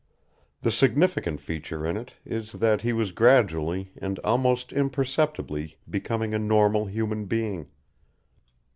The significant feature in it is that he was gradually and almost imperceptibly becoming a normal human being.